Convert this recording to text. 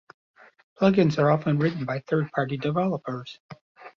Plugins are often written by third-party developers.